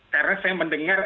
karena saya mendengar